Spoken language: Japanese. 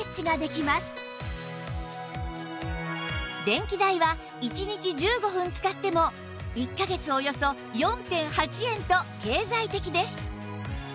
電気代は１日１５分使っても１カ月およそ ４．８ 円と経済的です